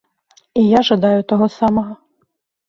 І я жадаю таго самага.